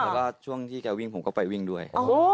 แล้วช่วงที่เค้วิ้งผมก็ไปวิ้งด้วย